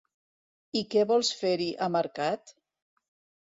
-I què vols fer-hi a mercat?